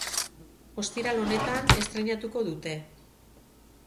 Ostiral honetan estreinatuko dute.